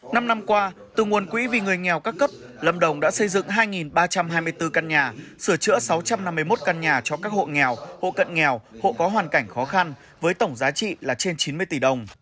năm năm qua từ nguồn quỹ vì người nghèo các cấp lâm đồng đã xây dựng hai ba trăm hai mươi bốn căn nhà sửa chữa sáu trăm năm mươi một căn nhà cho các hộ nghèo hộ cận nghèo hộ có hoàn cảnh khó khăn với tổng giá trị là trên chín mươi tỷ đồng